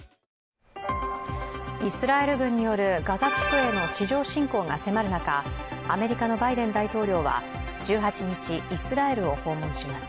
イスラエル軍によるガザ地区への地上侵攻が迫る中、アメリカのバイデン大統領は１８日、イスラエルを訪問します。